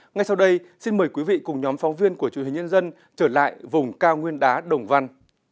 ngay sau đây xin mời quý vị cùng nhóm phóng viên của truyền hình nhân dân trở lại vùng cao nguyên đá đồng văn